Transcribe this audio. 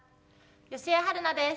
吉江晴菜です。